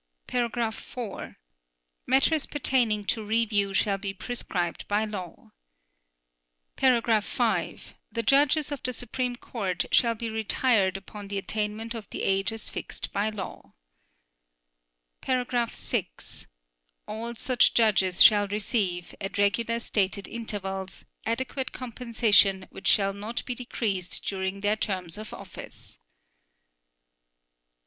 (4) Matters pertaining to review shall be prescribed by law. (5) The judges of the Supreme Court shall of retired upon the attainment of the age as fixed by law. (6) All such judges shall receive, at regular stated intervals, adequate compensation which shall not be decreased during their terms of office.